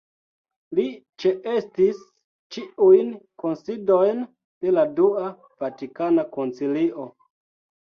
Li ĉeestis ĉiujn kunsidojn de la dua Vatikana Koncilio.